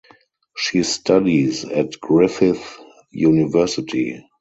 She studies at Griffith University.